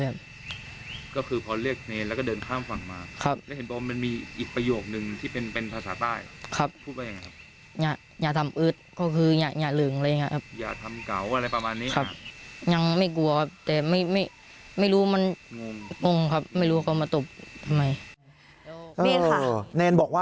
เนรบอกว่ายังไม่ได้เอิดตรงไหนเลย